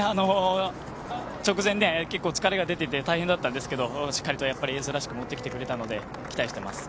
直前で疲れが出ていて大変だったんですがしっかりとエースらしく持ってきてくれたので期待しています。